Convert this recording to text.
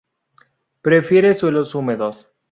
Prefiere suelos húmedos.